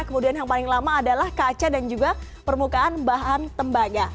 kemudian yang paling lama adalah kaca dan juga permukaan bahan tembaga